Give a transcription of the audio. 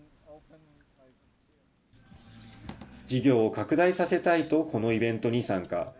事業を拡大させたいと、このイベントに参加。